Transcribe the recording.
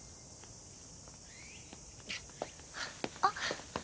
あっ。